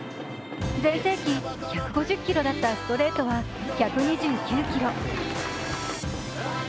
全盛期、１５０キロだったストレートは１２９キロ。